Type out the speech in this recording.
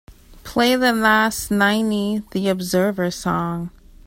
play the last Niney The Observer song